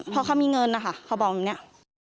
เพราะเขามีเงินนะคะเขาบอกแบบนี้